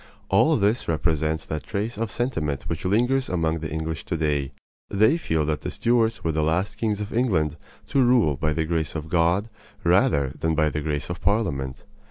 All this represents that trace of sentiment which lingers among the English to day. They feel that the Stuarts were the last kings of England to rule by the grace of God rather than by the grace of Parliament.